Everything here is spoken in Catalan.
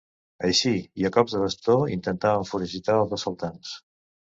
Així, i a cops de bastó, intentaven foragitar els assaltants.